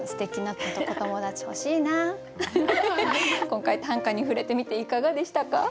今回短歌に触れてみていかがでしたか？